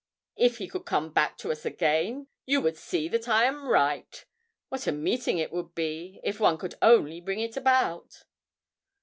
If he could come back to us again, you would see that I am right. What a meeting it would be, if one could only bring it about!'